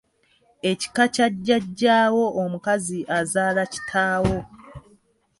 Ekika kya Jjaajjaawo omukazi azaala kitaawo.